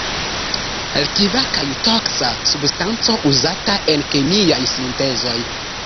Likva kaj toksa substanco uzata en kemiaj sintezoj.